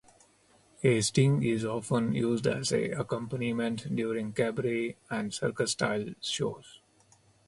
A sting is often used as accompaniment during cabaret- and circus-style shows.